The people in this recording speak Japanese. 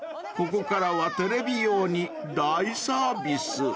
ここからはテレビ用に大サービス］